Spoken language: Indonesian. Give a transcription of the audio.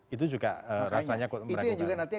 itu juga rasanya beragam